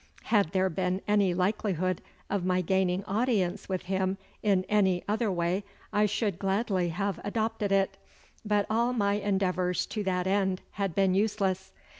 Had there been any likelihood of my gaining audience with him in any other way I should gladly have adopted it, but all my endeavours to that end had been useless.